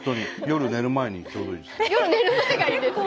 夜寝る前にちょうどいいです。